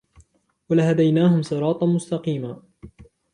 ولهديناهم صراطا مستقيما